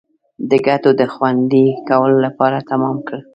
د ګټو د خوندي کولو لپاره تمام کړ.